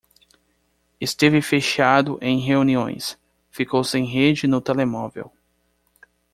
Esteve fechado em reuniões, ficou sem rede no telemóvel.